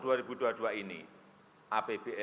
kita akan memiliki kekuatan yang sangat besar